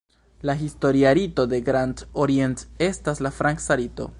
La historia rito de Grand Orient estas la franca rito.